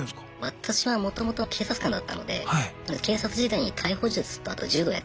私はもともと警察官だったので警察時代に逮捕術とあと柔道やってましたね。